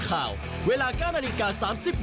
คาถาที่สำหรับคุณ